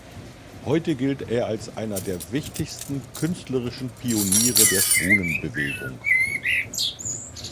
Heute gilt er als einer der wichtigsten künstlerischen Pioniere der Schwulenbewegung.